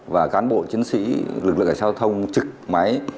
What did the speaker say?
và cán bộ chiến sĩ lực lượng cảnh giao thông trực máy